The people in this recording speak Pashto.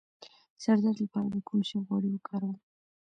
د سر درد لپاره د کوم شي غوړي وکاروم؟